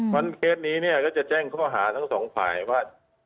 วันเคสนี้ก็จะแจ้งเข้าหาทั้งสองฝ่ายว่า